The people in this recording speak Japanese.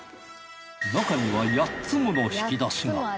中には８つもの引き出しが。